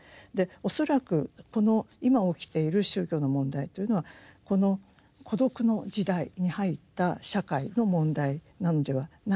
恐らくこの今起きている宗教の問題というのはこの孤独の時代に入った社会の問題なのではないかと思うんです。